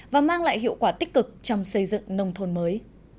và mang lại hiệu quả tích cực trong xây dựng nông thôn mới